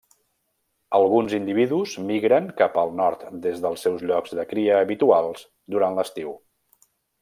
Alguns individus migren cap al nord des dels seus llocs de cria habituals durant l'estiu.